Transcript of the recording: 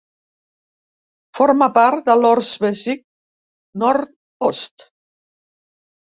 Forma part de l'"Ortsbezirk Nord-Ost".